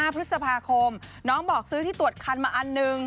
พฤษภาคมน้องบอกซื้อที่ตรวจคันมาอันหนึ่ง